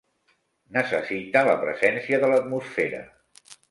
Necessita la presència de l'atmosfera.